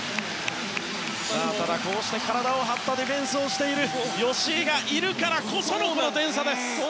ただ、こうして体を張ったディフェンスをしている吉井がいるからこそのこの点差です。